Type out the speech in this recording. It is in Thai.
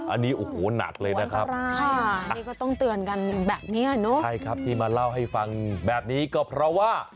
อันนี้โอ้โหหนักเลยนะครับใช่ครับที่มาเล่าให้ฟังแบบนี้ก็เพราะว่า